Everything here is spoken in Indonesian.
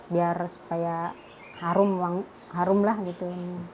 biar supaya harum lah gitu